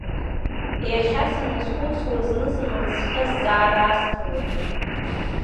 Иахьа саназхәыцуа, зны-зынла схы азҵаара асҭалоит…